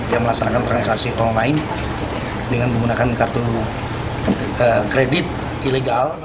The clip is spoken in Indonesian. yang melaksanakan transaksi online dengan menggunakan kartu kredit ilegal